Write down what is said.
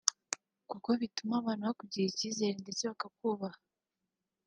kuko bituma abantu bakugirira icyizere ndetse bakakubaha